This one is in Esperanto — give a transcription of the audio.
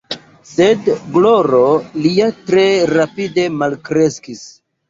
Sed gloro lia tre rapide malkreskis.